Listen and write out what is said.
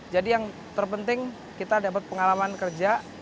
jadi yang terpenting kita dapat pengalaman kerja